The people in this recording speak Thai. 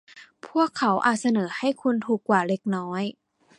พวกเขาอาจเสนอให้คุณถูกกว่าเล็กน้อย